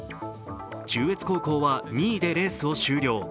中越高校は２位でレースを終了。